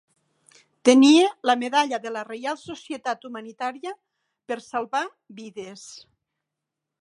Tenia la medalla de la Reial Societat Humanitària per salvar vides.